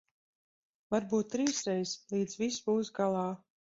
Varbūt trīsreiz, līdz viss būs galā.